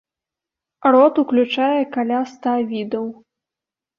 Род уключае каля ста відаў.